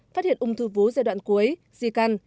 phát hiện ung thư vú giai đoạn cuối di căn